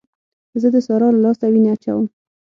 زه د سارا له لاسه وينې اچوم.